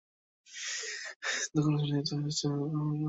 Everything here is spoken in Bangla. মার্কেটের ভেতরে ঘুমন্ত অবস্থায় অনেক দোকানবাসী নিহত হয়েছেন বলে মনে হলো।